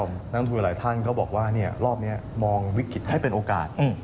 นางทูยท่านเหล่านี้ลอบนี้มองวิกฤติให้เป็นโอกาส